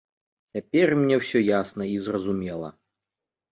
Цяпер мне ўсё ясна і зразумела.